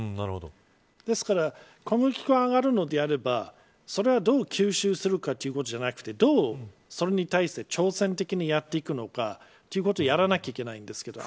ですから小麦粉が上がるのであればそれをどう吸収するかではなくてどうそれに対して挑戦的にやっていくのかということをやらないといけないんですけど。